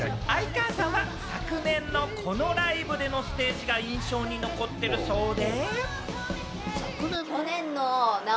そして相川さんは昨年のこのライブでのステージが印象に残っているそうで。